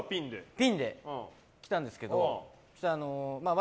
ピンで来たんですけど笑